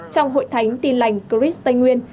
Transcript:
trong hội thánh tin lành cris tây nguyên